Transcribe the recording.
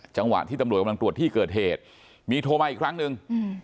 จังหวะที่ตำรวจกำลังตรวจที่เกิดเหตุมีโทรมาอีกครั้งหนึ่ง